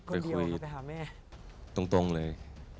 ไปคุยตรงเลย